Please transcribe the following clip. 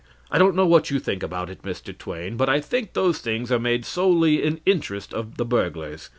I don't know what you think about it, Mr. Twain; but I think those things are made solely in the interest of the burglars.